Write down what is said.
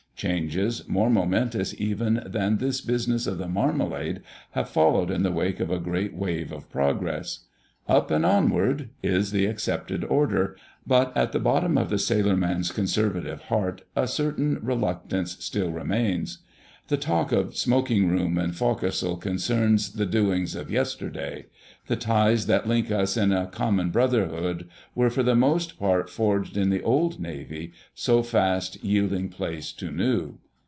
Changes, more momentous even than this business of the marmalade, have followed in the wake of a great wave of progress. "Up and onward" is the accepted order, but at the bottom of the Sailor man's conservative heart a certain reluctance still remains. The talk of smoking room and forecastle concerns the doings of yesterday; the ties that link us in a "common brotherhood" were for the most part forged in the "Old" Navy, so fast yielding place to new.